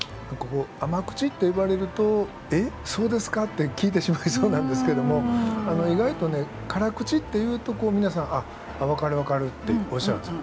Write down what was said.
甘口っていわれると「えっそうですか？」って聞いてしまいそうなんですけども意外とね辛口っていうと皆さん「分かる分かる」っておっしゃるんですよ。